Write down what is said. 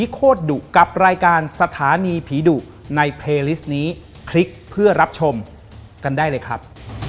ขอบคุณครับพี่แจ๊คครับ